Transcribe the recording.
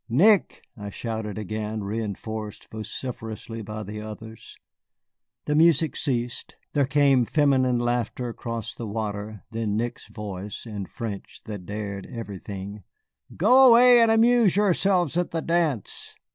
"Nick!" I shouted again, reënforced vociferously by the others. The music ceased, there came feminine laughter across the water, then Nick's voice, in French that dared everything: "Go away and amuse yourselves at the dance.